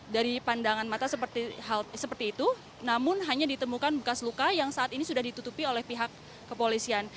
dari pandangan mata seperti itu namun hanya ditemukan bekas luka yang saat ini sudah ditutupi oleh pihak kepolisian